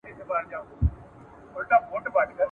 پټ په زړه کي پر اقرار یو ګوندي راسي !.